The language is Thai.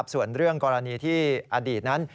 ส่วนเรื่องกรณีที่อดีตนั้น